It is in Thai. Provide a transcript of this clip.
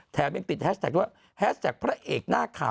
เธอกาเฟอร์ฉันเก่ง